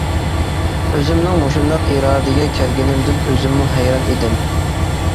ئۆزۈمنىڭ مۇشۇنداق ئىرادىگە كەلگىنىمدىن ئۆزۈممۇ ھەيران ئىدىم.